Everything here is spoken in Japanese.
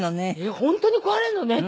本当に壊れるのねって